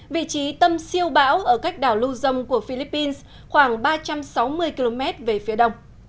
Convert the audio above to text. vị trí tâm siêu bão ở cách đảo lưu dông của philippines khoảng ba trăm sáu mươi km về phía đông